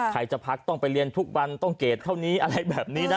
ใครจะพักต้องไปเรียนทุกวันต้องเกรดเท่านี้อะไรแบบนี้นะ